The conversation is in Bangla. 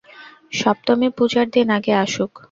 সপ্তমী পূজার দিন আগে আসুক।